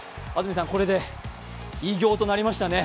これで偉業となりましたね。